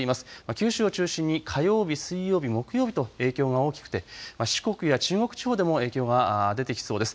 九州を中心に火曜日、水曜日、木曜日と影響が大きくて四国や中国地方でも影響は出てきそうです。